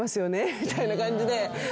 みたいな感じで。